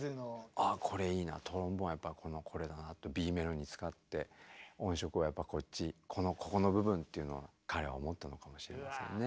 「あっこれいいなトロンボーンやっぱこれだな」とＢメロに使って音色をやっぱこっちここの部分っていうのは彼は思ったのかもしれませんね。